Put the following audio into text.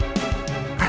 kasian sama keisha